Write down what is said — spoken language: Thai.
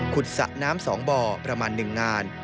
สระน้ำ๒บ่อประมาณ๑งาน